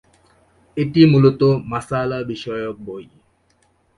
এটি মূলত মাসয়ালা-বিষয়ক বই।